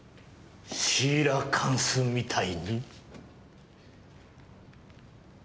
シーラカンスみたいに？